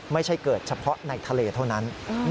ไม่ใช่เกิดเฉพาะในทะเลเท่านั้น